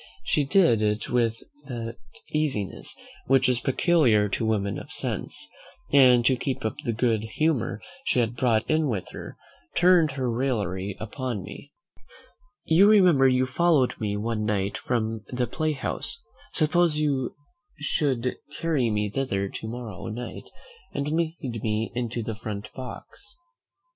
She did it with that easiness which is peculiar to women of sense; and to keep up the good humour she had brought in with her, turned her raillery upon me. "Mr. Bickerstaff, you remember you followed me one night from the play house; suppose you should carry me thither to morrow night, and lead me into the front box."